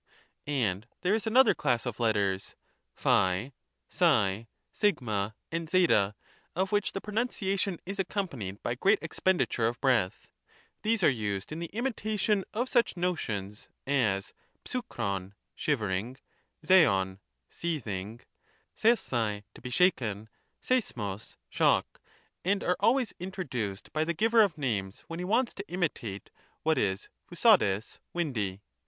And there is another class of letters, ^, ip, a and C of which the pronunciation is accom panied by great expenditure of breath ; these are used in the imitation of such notions as xpvxpov (shivering), ^tov (seething), aeiEoOai (to be shaken), auap, bq (shock), and are always intro duced by the giver of names when he wants to imitate what is (pvacjdsg (windy).